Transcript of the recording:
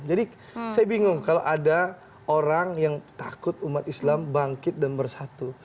jadi saya bingung kalau ada orang yang takut umat islam bangkit dan bersatu